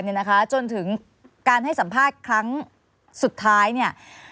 เนี่ยนะคะจนถึงการให้สัมภาษณ์ครั้งสุดท้ายเนี่ย